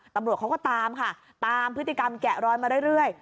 ตำรวจเขาก็ตามค่ะตามพฤติกรรมแกะรอยมาเรื่อย